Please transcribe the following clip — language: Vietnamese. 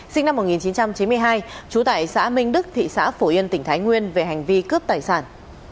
sinh năm một nghìn chín trăm chín mươi hai trú tại xã minh đức thị xã phổ yên tỉnh thái nguyên về hành vi cướp tài sản